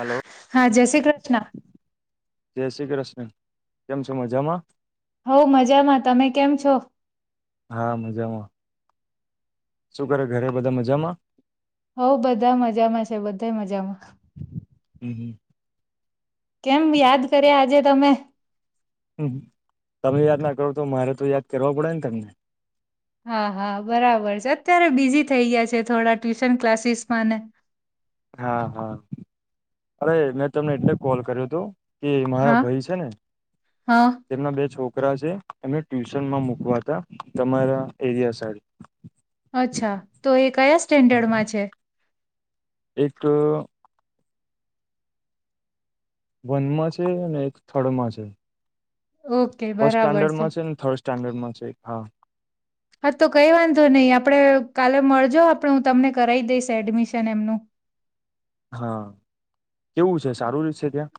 Hello હા જય શ્રી કૃષ્ણ. જે શ્રી કૃષ્ણ કેમ છે મજામાં. હું મજામાં તમે કેમ છો? હા મજામાં. શું કરે ઘરે બધા મજામાં? હઉ બધા મજામાં છે, બધાએ મજામાં. [inaudible] કેમ યાદ કર્યા આજે તમે. તમે યાદ ના કરો તો મારે તો યાદ કરવાવ પડેન તમને હા હા બરાબર છે, અત્યારે બીઝી થઈ ગયા છે, થોડા ટ્યુશન ક્લાસીસમાં ને હા હા અરે મેં તમને એટલે કોલ કર્યો તો કે મારા હા ભાઈ છે, ને હા તેમના બે છોક છોકરા છે, એને ટ્યુશનમાં મુકવાતા તમારા એરિયા સાઈડ. અચ્છા, તો એ કયા સ્ટેન્ડર્ડમાં છે? એક અ. વનમાં છે, ‌ અને એક થર્ડમાં છે. ઓકે ફસ્ટ બરાબર છે સ્ટાન્ડર્ડમાં છેન થર્ડ સ્ટાન્ડર્ડમાં છે એક, હા. હા તો કઈ વાંધો નઈ આપણે કાલે મળજો આપણે હું તમને કરાઈ દઈશ એડમિશન એમનું. હા કેવું છે સારું રેશે ત્યાં?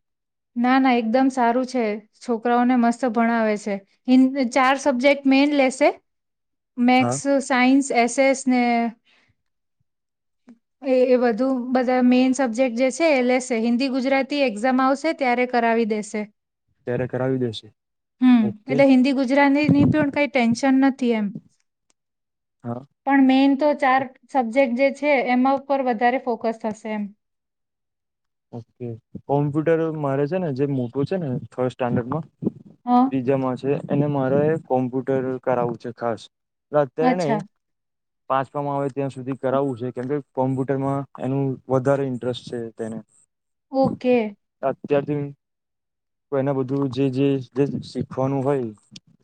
ના ના એકદમ સારું છે છોકરાઓને મસ્ત ભણાવે છે હિન ચાર સબ્જેક્ટ મેઈન લેશે હા મેક્સ સાઈન્સ એસ એસ ને [inaudible] એ એ બધું બધા મેઈન સબ્જેક્ટ જે છે એ લેશે હિન્દી ગુજરાતી એક્ઝામ આવશે ત્યારે કરાવી દેશે. ત્યારે કરાવી દેશે હમ્મ ઓકે એટલે હિન્દી ગુજરાતીની પણ કઈ ટેન્શન નથ થી એમ હા પણ મેઈન તો ચાર સબ્જેક્ટ જે છ છે એમાં ઉપર વધારે ફોકસ થશે એમ. ઓકે કોમ્પ્યુટર મારે છે ને જે મોટું છે ને થર્ડ સ્ટાન્ડર્ડ માં. હ ત્રીજામાં છે એને મારે કોમ્પ્યુટર કરાવવું છે ખાસ. ના અત્યારે નઈ અચ્છા પાંચવામાં આવે ત્યાં સુધી કરાવવું છે કેમકે કોમ્પ્યુટરમાં એનું વધારે ઇન્ટરેસ્ટ છે તેને. ઓકે. અત્યારથી એને બધું જે જે શીખવાનું હોય.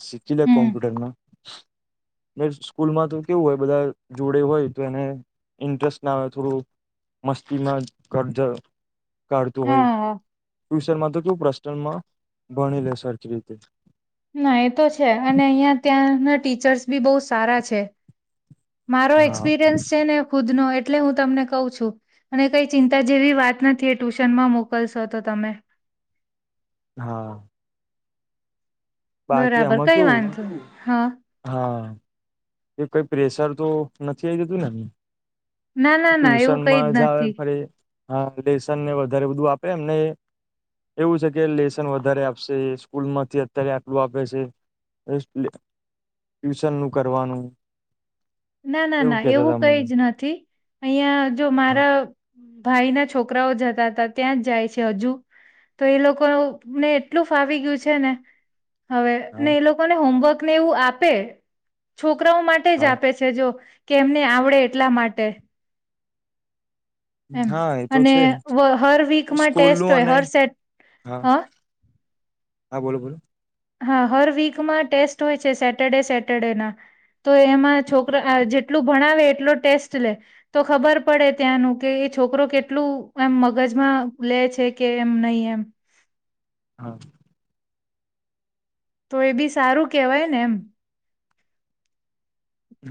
શીખી લે હમ કોમ્પ્યુટરમાં. ને સ્કૂલમાં તો કેવું હોય બધા જોડે હોય તો એને ઇન્ટરેસ્ટ ના આવે થોડું મસ્તીમાં કડ જ કાઢતું હોય હા હા ફ્યુસરમાં તો કેવું પર્સનલમાં ભણી લે સરખી રીતે. ના એ તો છે અને અહિયાં ત્યાંના ટીચર્સ બી બો સારા છે. મારો હા એક્સપિરિયન્સ છે ને ખુદનો એ એટલે હું તમને કહું છું અને કઈ ચિંતા જેવી વાત નથી એ ટ્યુશનમાં મોકલશો તો તમે. હા. બાકી બરાબર આમાં કઈ કેવું વાંધો હા હા એ કઈ પ્રેશર તો નથી આઈ જતું ને. ના ના ના એવું ટ્યુશન કઈ માં જ જાવ નથી ફરી હા લેસન ને વધારે બધું આપે એમને એવું છે કે લેસન વધારે આપશે સ્કૂલ માંથી અત્યારે આટલું આપે છે. ટ્યુશન નું કરવાનું. ના ના ના કેતા એવું હતા કઈ મને જ નથી અહીંય જો હા મારા ભાઈ ના છોકરાઓ જતા હતા ત્યાં જ જાય છે હજુ તો એ લોકોને એટલું ફાવી ગયું છે ને હવે ને હા એ લોકોને હોમવર્કને એવું આપે છોકરાઓ માટે જ હા આપે છે જો કે એમને આવડે એટલા માટે એમ હા એ તો અને છે વ- હર વીકમાં સ્કૂલ ટેસ્ટ નું હોય અને હર સેટ હા હ હા બોલો બોલો હા હર વીકમાં ટેસ્ટ હોય છે સેટરડે સેટરડેના તો એમાં છોકરા આ જેટલું ભણાવે એટલો ટેસ્ટ લે તો ખબર પડે ત્યાંનું કે છોકરો કેટલું એમ મગજમાં લે છે કે એમ નહી એમ. હા. તો એ બી સારું કેહેવાય ને એમ.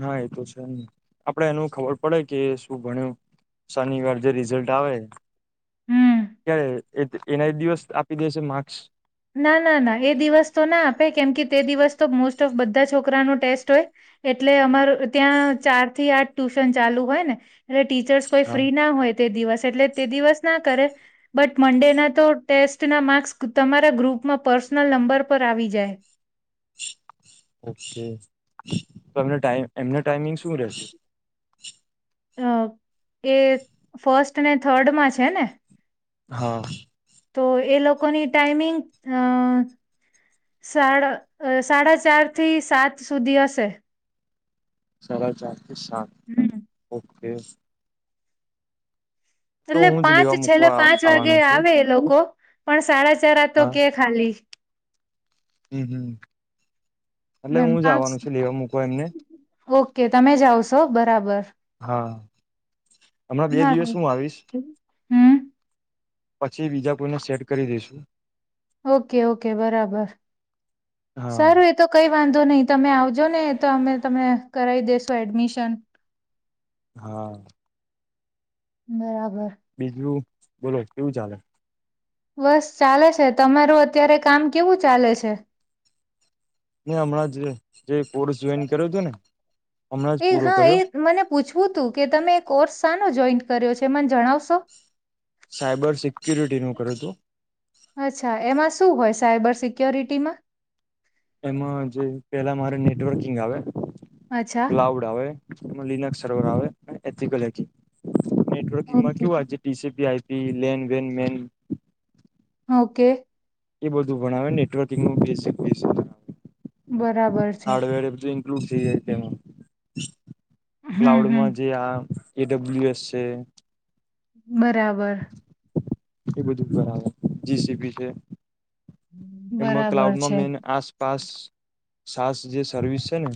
હા એ તો છે ને આપડે એનું ખબર પડે કે શું ભણ્યું શનિવાર જે રિઝલ્ટ આવે હમ ક્યારે એ એના એ દિવસ આપી દે છે માર્ક્સ. ના ના ના એ દિવસ તો ના આપે કેમ કે તે દિવસ તો મોસ્ટ ઓફ બધા છોકરાનો ટેસ્ટ હોય. એટલે અમાર ત્યાં ચાર થી આઠ ટ્યુશન ચાલુ હોય ને એટલે ટીચર્સ કોઈ હા ફ્રી ના હોય. તે દિવસ એટલે તે દિવસ ના કરે બટ મડે ના તો ટેસ્ટ ના માર્ક્સ તમા મારા ગ્રુપમાં પર્સનલ નંબર પર આવી જાય. ઓકે તો એમ ટાઈમ એમનો ટાઈમિંગ શું રેશે. અ એ ફર્સ્ટ ને થર્ડમાં છે ને હા તો એ લોકોની ટાઈમિંગ અ સાડા સાડા ચાર થી સાત સુધી હશે સાડા ચાર થી સાત હમ ઓકે તો એટલે હું જ પાંચ લેવા છેલ્લે મૂકવા પાંચ વાગે આવવાનો છું. આવે એ લોકો પણ સાડા ચાર તો હા કે ખાલી હમ હમ એટલે મેમ હું પાંચ જવાનું છ લેવા મૂકો એમને ઓકે તમે જાાવશો બરાબર હા હમણાં બે ના ના દિવસ હું આવીશ હમ પછી બીજા કોઈને સેટ કરી દઈસુ ઓકે ઓકે બરાબર હા સારું એ તો કઈ વાંધો નહી તમે આવજો ને તો અમે તમે કરાવી દેેશો એડમિશન હા બરાબર બીજું બોલો કેવું ચાલે બસ ચાલે છે તમારું અત્યારે કામ કેવું ચાલે છે હમણાં જે જે કોર્સ જોઈન કર્યો હતો ને હમણાં જ એ પૂરો હા કર્યો એ મને પૂછવું તું કે તમે કોર્સ સાનો જોઈન્ટ કર્યો છે મને જણાવશો સાયબર સિક્યુરિટીનું કર હતું અચ્છા એમાં શું હોય સાયબર સિક્યોરિટીમાં એમાં જે પેલા મારે નેટવર્કિંગ આવે. અચ્છા ક્લાઉડ આવે એમાં લિનક્સ સર્વર આવે એથીકલ હેકિંગ. નેટવર્કિંગમાં ઓકે કેવું આજે T C P, I P, LAN, વેન, મેન. ઓકે. એ બધું ભણાવે નેટવર્કિંગનું બેઝિક બેઝિક. બરાબર છે. [unintelligible] હમ હમ ક્લાઉડમાં જે આ એ ડબ્લી્યુ એસ છે. બરાબર. એ બધું ભરાવે. જીસીબી છે. એમાં બરાબર ક્લાઉડમાં છે મેન આસપાસ સાસ જે સર્વિસ છે ને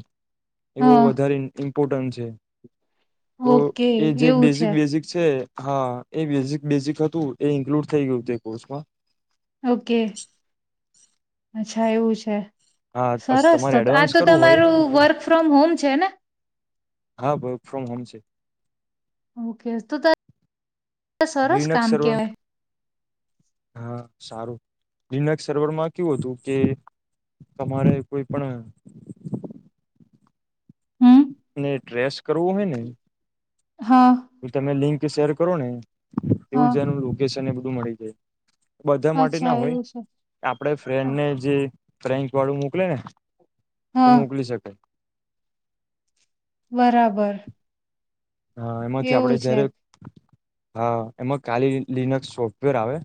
એ બહુ હા વધારે ઈન ઇમ્પોર્ટન્ટ છે. તો ઓકે એ જે એવું બેઝિક છે બેઝિક છે. હા હા એ બેઝિક બેઝિક હતું, એ ઇન્કલુડ થઈ ગયું તે કોર્સમાં. ઓકે. અચ્છા એવું છે. હા પછી સરસ તમારે તો તો આ એડવાન્સ તો કરવું હોય તમારું વર્ક ફ્રોમ હોમ છે ને? હા વર્ક ફ્રોમ હોમ છે. ઓકે તો ત સરસ લિનક્સ કામ સર્વર કેવાય. હા સારું લિનક્સ સર્વરમાં કેવું હતું કે તમારે કોઈ પણ હમ અને ટ્રેસ કરવો હોય ને હા તો તમે લિંક શેર કરો ને એવું હા જ એનું લોકેશન ને એ બધું મળી જાય. બધા માટે અચ્છા ના હોય એવું છે આપણે ફ્રેન્ડ ને જે પ્રેંક વાળું મોકલે ને. એ હા મોકલી શકાય. બરાબર. હા એમાંથી આપડે એવું છે જયારે હા એમાં કાલી લિનક્સ સોફ્ટવેર આવે.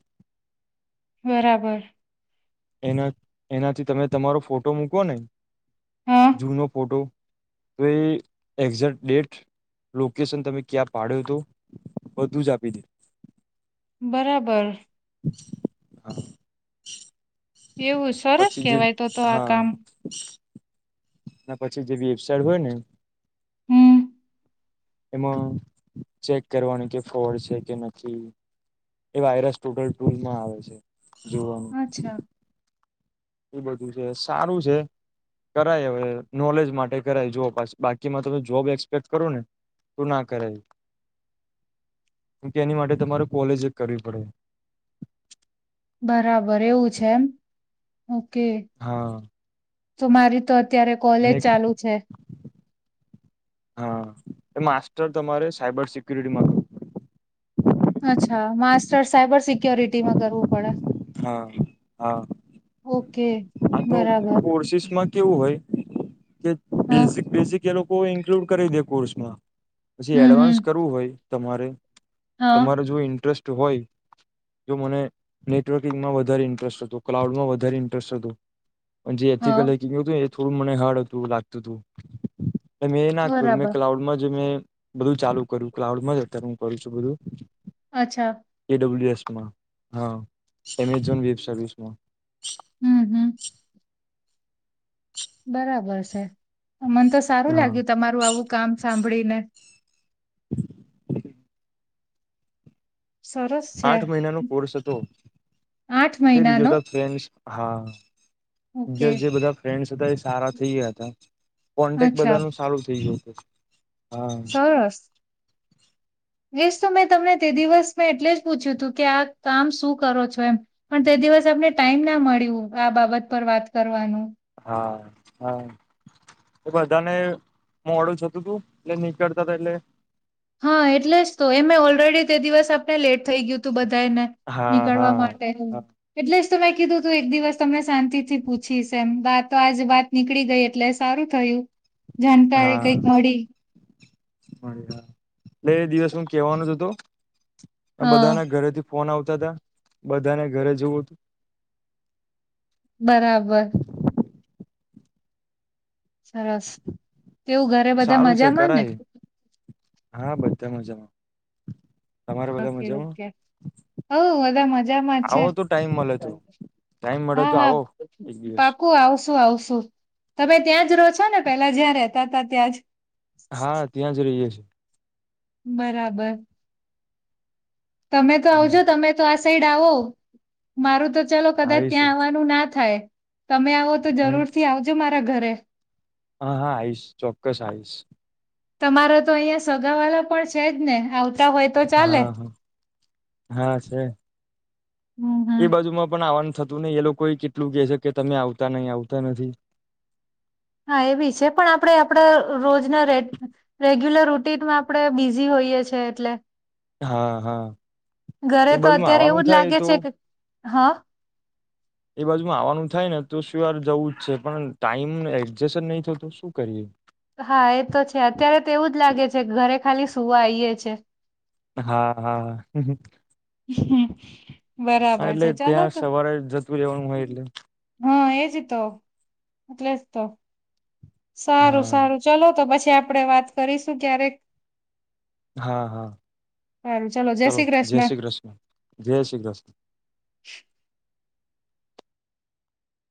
બરાબર. એના એનાથી તમે તમારો ફોટો મૂકો ને, હા જૂનો ફોટો તો એ એક્ઝેક્ટ ડેટ લોકેશન તમે ક્યાં પાડ્યો તો, બધું જ આપી દે. બરાબર. એવું [unintelligible] સરસ પછી જે, કેવાય તો તો આ હા. કામ ના પછી જે વેબસાઈડ હોય ને હમ. એમાં ચેક કરવાનું કે ફ્રોડ છે કે નથી. એ વાયરસ ટોટલ ટૂલમાં આવે છે જોવાનું. અચ્છા એ બધું છે, સારું છે. કરાય હવે. નોલેજ માટે કરાય. જો પાછ બાકીમાં તો જોબ એક્સપેક્ટ કરો ને તો ના કરાય. કેમકે એની માટે તમારે કોલેજ જ કરવી પડે. બરાબર એવું છે એમ, ઓકે હા તો મારી તો અત અત્યારે કોલેજ મે ચાલુ છે. હા એ માસ્ટર તમારે સાયબર સિક્યુરિટીમાં ક અચ્છા, માસ્ટર સાયબર સિક્ય્યોરિટીમાં કરવું પડે. હા, હા. ઓકે હા તો બરાબર કોર્સિસમાં કેવું હોય કે, હ બેઝિક બેઝિક એ લોકો ઇન્કલુડ કરી દે કોર્સમાં. પછી હમ હમ એડવાન્સ કરવું હોય તમારે હા તમારે જો ઇન્ટરેસ્ટ હોય જો મને નેટવર્કિંગમાં વધારે ઇન્ટરેસ્ટ હતો, ક્લાઉડમાં વધારે ઇન્ટરેસ્ટ હતો. પણ જે હા એથિકલ [unintelligible] હતું ને એ થોડું મને હાર્ડ અતું લાગતુતું. મેં એ ના કર્યું. મે બરાબર ક્લાઉડમાં જ મે બધું ચાલુ કર્યું. ક્લાઉડમાં જ અત્યારે હું કરું છું બધું. અચ્છા. ડબલ્યુ એસમાં. હા, એમેઝોન વેબ સર્વિસમાં. હમ હમ. બરાબર છે. મનતો સારું હા લાગ્યું તમારું આવું કામ સાંભળીને. સરસ છે. આઠ મહિનાનો કોર્સ હતો આઠ મહિનાનો બીજોતો ફ્રેન્ડ્સ હા, ઓકે બીજા જે બધા ફ્રેન્ડ્સ હતા એ સારા થઈ ગયા હતા. કોન્ટેક્ટ અચ્છા બધાનું સારું થઈ ગયું હતું. હા સરસ. એજતો મેં તમને તે દિવસ મેં એટલે જ પૂછ્યું હતું કે આ કામ શું કરો છો એમ પણ તે દિવસે અમને ટાઈમના મળ્યું આ બાબત પર વાત કરવાં. હા, હા. એ બધાને મોડું થતુંતું. એટલે નીકળતાતા એટલે હા, એટલે જ તો એમે ઓલરેડી તે દિવસે આપણે લેટ થઈ ગ્યુંતુ બધ તેને હા નીકળવા હા માટે એટલે જ તો મેં કીધુંતું એક દિવસ તમને શાંતિથી પૂછીશ એમ, વાત તો આજે વાત નીકળી ગઈ એટલે સારું થયું. જાણકારી કઈંક મળી. [unintelligible] બે દિવસમાં કેહવાનો જ હતો. હ બધાના ઘરેથી ફોન આવતાતા. બધાને ઘરે જવું હતું. બરાબર. સરસ. કેવું ઘરે બધા સારું છે મજામાં ને? કરાય હા, બધાં મજામાં. તમારે બધા ઓકે મજામાં ઓકે. ઓવ બધાં મજામાં જ છે. આવો તો ટાઈમ મળે તો ટાઈમ મળે હા તો હા, આવો એક દિવસ પાકું આવશું આવશ. તો તમે ત્યાં જ રહો છોને? પેહ્લા જ્યાં રેતાતા ત્યાં જ. હા, ત્યાં જ રહીએ છે. બરાબર. તમે તો હમ આવજો તમે તો આ સાઈડ આવો મારું તો ચલો કદાચ આવીશું ત્યાં આવવાનું ના થાય. તમે આવો તો હમ જરૂરથી આવજો મારા ઘરે. હા હા, આઈશ ચોક્કસ આઈશ. તમારો તો અહિયાં સગા વાલા પણ છેજ ને આવ હોય તો ચાલે. હા હા હા છે હમ હમ એ બાજુમાં પણ આવવાનું થતું નય એ લોકોએ કેટલું કે છે કે તમે આવતા નય આવતા નથી. [inaudible] હા, એબી છે પણ આપડે આપડા રોજના રે રેગ્યુલર રુટીનમાં આપડે બીઝી હોય. કીએ છે એટલે. હા હા. ઘરે એ તો બાજુમાં અત્યારે આવવાનું એવું જ થાય લાગે તો છેકે હા. એ બાજુમાં આવવાનું થાયને તો સયોર જવું જ છે પણ ટાઈમ એડજસન નય થતો શું કરીએ. હા, એતો છે અત્યારે તો એવું જ લાગે છે ઘરે ખાલી સુવા આઈએ છે. હા હા. હા બરાબર એટલે છે. ચાલો ત્યાં તો. સવારે જતું રહેવાનું હોય એટલે હા, એ એટલે જ તો સારું હા સારું ચલો તો પછી તે આપરે વાત કરીશું ક્યારેક. હા હા. સારું ચલો શ્રી જય કૃષ્ણ શ્રી કૃષ્ણ જય શ્રી કૃષ્ણ